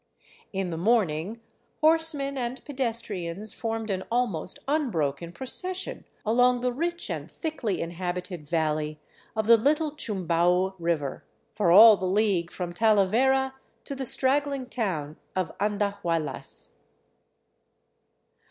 In the morning, horsemen and pedestrians formed an almost unbroken procession along the rich and thickly inhabited valley of the little Chumbau river, for all the league from Talavera to the straggling town of Andahuaylas.